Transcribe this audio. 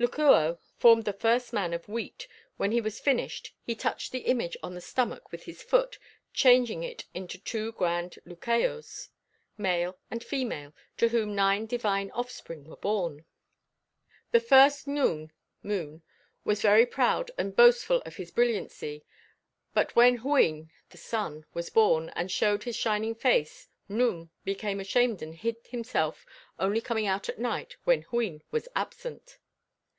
Lucuo formed the first man of wheat; when he was finished he touched the image on the stomach with his foot changing it into two grand Lucayos, male and female to whom nine divine offsprings were born. The first Nounm (the moon) was very proud and boastful of his brilliancy but when Huin (the sun) was born and showed his shining face Nounm became ashamed and hid himself only coming out at night when Huin is absent.